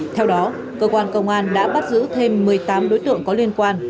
theo đó cơ quan công an đã bắt giữ thêm một mươi tám đối tượng có liên quan